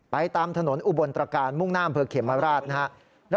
ตามถนนอุบลตรการมุ่งหน้าอำเภอเขมราชนะครับ